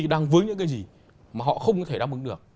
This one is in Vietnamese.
đang với những cái gì mà họ không có thể đáp ứng được